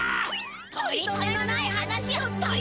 「とり」とめのない話を「とり」